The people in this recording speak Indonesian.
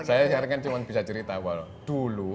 saya sekarang kan cuma bisa cerita awal dulu